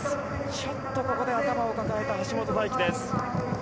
ちょっとここで頭を抱えた橋本大輝です。